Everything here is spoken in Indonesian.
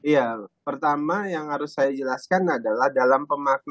ya pertama yang harus saya jelaskan adalah dalam pemaksaan